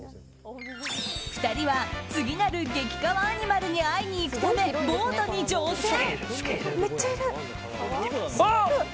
２人は次なる激かわアニマルに会いに行くためボートに乗船。